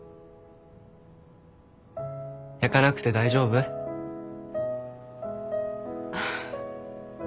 焼かなくて大丈夫？あっ。